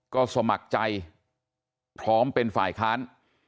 ก็สมัครใจพร้อมเป็นฝ่ายค้าน